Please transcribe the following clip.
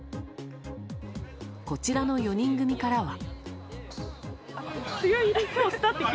こちらの４人組からは。